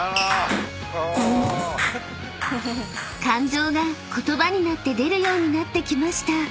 ［感情が言葉になって出るようになってきました］